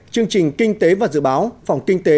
chương trình kinh tế và dự báo phòng kinh tế